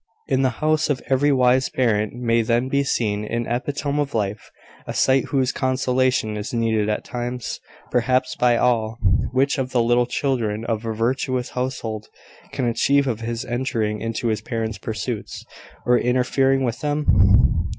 In the house of every wise parent may then be seen an epitome of life, a sight whose consolation is needed at times, perhaps, by all. Which of the little children of a virtuous household can conceive of his entering into his parent's pursuits, or interfering with them?